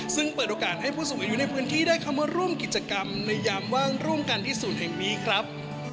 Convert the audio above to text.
ซึ่งเปิดโอกาสให้ผู้สูงอายุในพื้นที่ได้คำว่าร่วมกิจกรรมในยามว่างร่วมกันที่ศูนย์แห่งนี้ครับ